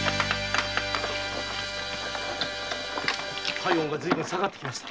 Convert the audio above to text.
体温がずいぶん下がってきました。